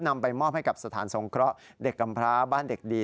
นำไปมอบให้กับสถานสงเคราะห์เด็กกำพร้าบ้านเด็กดี